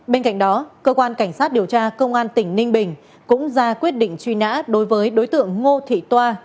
bên cạnh đó cơ quan cảnh sát điều tra công an tỉnh ninh bình cũng ra quyết định truy nã đối với đối tượng ngô thị toa